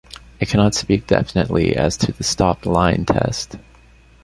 I cannot speak definitely as to the stopped-line test.